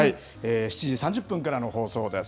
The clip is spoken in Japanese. ７時３０分からの放送です。